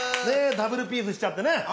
ねえダブルピースしちゃってね。